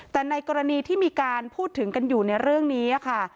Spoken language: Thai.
แต่ในกรณีที่มีการพูดถึงกันอยู่ในเรื่องนี้ค่ะ